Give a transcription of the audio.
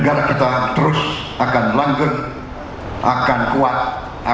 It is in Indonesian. saya berterima kasih kepada anda